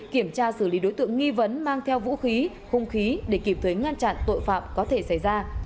kiểm tra xử lý đối tượng nghi vấn mang theo vũ khí hung khí để kịp thuế ngăn chặn tội phạm có thể xảy ra